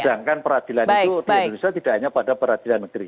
sedangkan peradilan itu di indonesia tidak hanya pada peradilan negeri